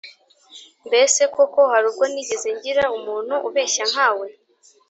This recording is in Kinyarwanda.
mbese koko hari ubwo nigeze ngira umuntu ubeshya nkawe.